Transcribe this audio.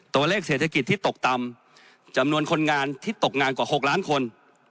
ตัวเลขเศรษฐกิจที่ตกต่ำจำนวนคนงานที่ตกงานกว่า๖ล้านคน